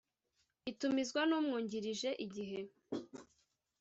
itumizwa n umwungirije Igihe